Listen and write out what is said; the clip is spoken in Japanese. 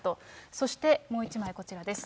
そして、もう一枚、こちらです。